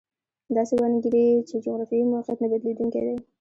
داسې وانګېري چې جغرافیوي موقعیت نه بدلېدونکی دی.